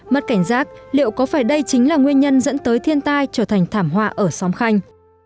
mất cảnh giác liệu có phải đây chính là nguyên nhân dẫn tới thiên tai trở thành thảm họa ở xóm khanh